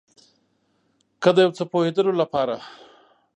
که د یو څه پوهیدلو لپاره